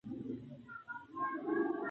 ژوند د عادتونو مجموعه ده.